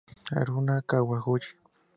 Haruna Kawaguchi